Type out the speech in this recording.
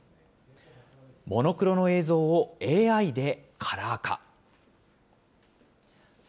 モノクロの映像をＡＩでカラー化。